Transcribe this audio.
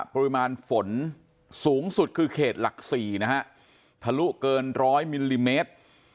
ปริมาณฝนสูงสุดคือเขตหลัก๔นะฮะทะลุเกินร้อยมิลลิเมตร